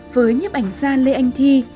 với nhấp ảnh gia lê anh thi